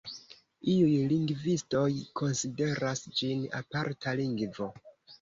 Iuj lingvistoj konsideras ĝin aparta lingvo.